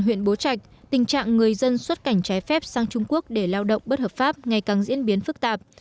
huyện bố trạch tình trạng người dân xuất cảnh trái phép sang trung quốc để lao động bất hợp pháp ngày càng diễn biến phức tạp